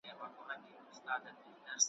پر هغه وعده ولاړ یم په ازل کي چي مي کړې `